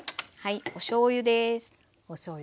おしょうゆです。